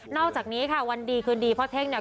อกจากนี้ค่ะวันดีคืนดีพ่อเท่งเนี่ย